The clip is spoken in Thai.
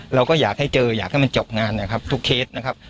เราก็อยากให้เจออยากให้มันจบงานนะครับทุกเคสนะครับ